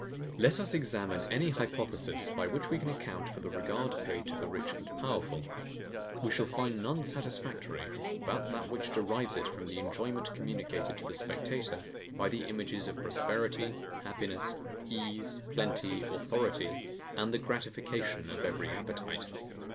Let us examine any hypothesis by which we can account for the regard paid to the rich and powerful; we shall find none satisfactory, but that which derives it from the enjoyment communicated to the spectator by the images of prosperity, happiness, ease, plenty, authority, and the gratification of every appetite.